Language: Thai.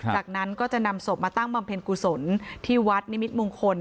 จากนั้นก็จะนำศพมาตั้งบำเพ็ญกุศลที่วัดนิมิตมงคล